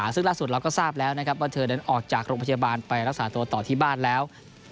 ซึ่งล่ะสุดเราก็ทราบแล้วว่าเธอออกจากโรคประเทียบานไปรักษาตัวต่อที่บ้านแล้ว